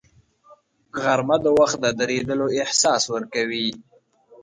غرمه د وخت د درېدلو احساس ورکوي